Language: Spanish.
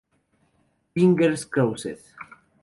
Fingers Crossed